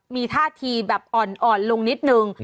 มีท่าทีแบบอ่อนลงนิดนึง